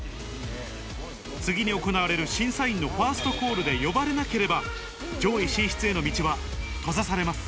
次に行われる審査員のファーストコールで呼ばれなければ、上位進出への道は閉ざされます。